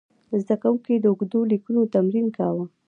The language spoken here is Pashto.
زده کوونکي د اوږدو لیکنو تمرین کاوه.